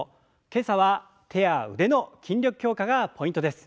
今朝は手や腕の筋力強化がポイントです。